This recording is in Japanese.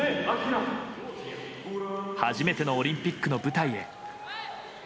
初めてのオリンピックの舞台へ。